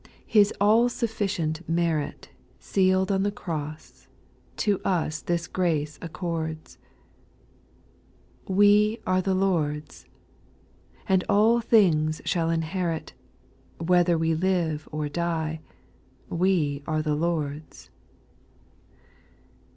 His all sufficient TT merit, Seal'd on the cross, to us this grace accords ;" We are the Lord's," and all things shall inherit ; Whether we live or die, " We are the Lord's."